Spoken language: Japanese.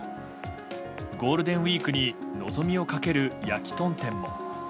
ゴールデンウィークに望みをかけるやきとん店も。